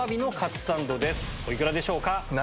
お幾らでしょうか？